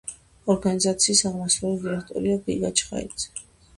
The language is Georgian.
ორგანიზაციის აღმასრულებელი დირექტორია გიგა ჩხაიძე.